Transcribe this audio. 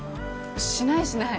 しないしない。